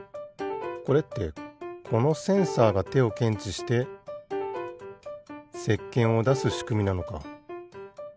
これってこのセンサーがてをけんちしてせっけんをだすしくみなのか。